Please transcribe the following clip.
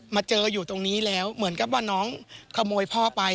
มาเจออยู่ตรงนี้แล้วเหมือนกับว่าน้องขโมยพ่อไป